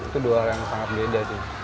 itu dua hal yang sangat beda